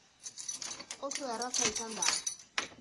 Oso erraza izan da.